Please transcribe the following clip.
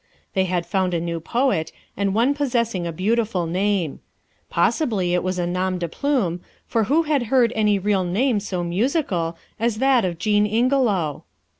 They had found a new poet, and one possessing a beautiful name. Possibly it was a nom de plume, for who had heard any real name so musical as that of Jean Ingelow?